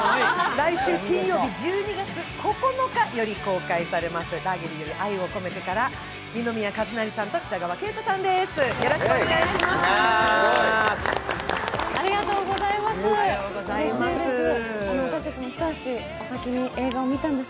来週金曜日１２月９日より公開されます「ラーゲリより愛を込めて」から、二宮和也さんと北川景子さんです。